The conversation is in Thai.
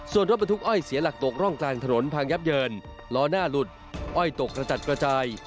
ส่วนรถบรรทุกอ้อยเสียหลักตกร่องกลางถนนพังยับเยินล้อหน้าหลุดอ้อยตกกระจัดกระจาย